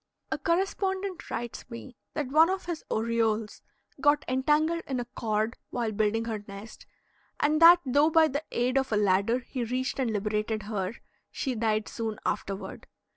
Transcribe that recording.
A correspondent writes me that one of his orioles got entangled in a cord while building her nest, and that though by the aid of a ladder he reached and liberated her, she died soon afterward.